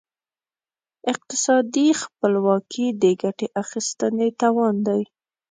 اقتصادي خپلواکي د ګټې اخیستنې توان دی.